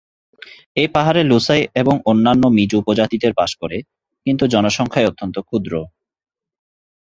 এই পাহাড়ে লুসাই এবং অন্যান্য মিজো উপজাতিদের বাস করে, কিন্তু জনসংখ্যায় অত্যন্ত ক্ষুদ্র।